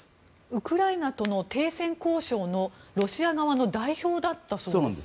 ウクライナとの停戦交渉のロシア側の代表だったそうですね。